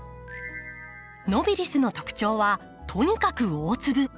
ノビリスの特徴はとにかく大粒。